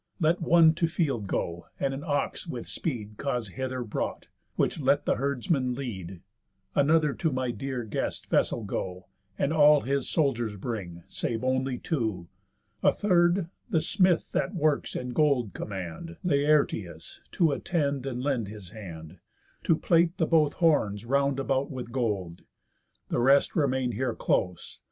Let one to field go, and an ox with speed Cause hither brought, which let the herdsman lead; Another to my dear guest's vessel go, And all his soldiers bring, save only two; A third the smith that works in gold command (Laertius) to attend, and lend his hand, To plate the both horns round about with gold; The rest remain here close.